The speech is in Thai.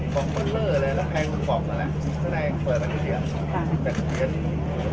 เมืองอัศวินธรรมดาคือสถานที่สุดท้ายของเมืองอัศวินธรรมดา